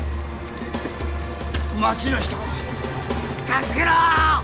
町の人を助けろ！